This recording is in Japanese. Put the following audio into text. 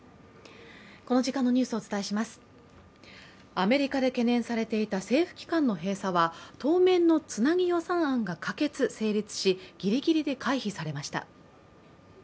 アメリカで懸念されいた政府機関の閉鎖は当面のつなぎ予算案が可決・成立しぎりぎりで回避されました。